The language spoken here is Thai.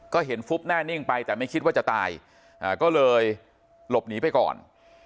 ก็เห็นฟุบแน่นิ่งไปแต่ไม่คิดว่าจะตายก็เลยหลบหนีไปก่อน